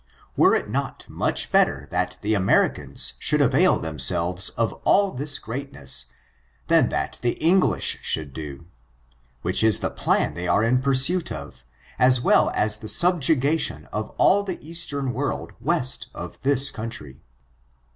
Were it not much better that the Americans should avail themselves of all this greatness, than that the English should doit? which is the plan they are in pursuit of, as well as the subjugation of all the eastern world tcest of this country.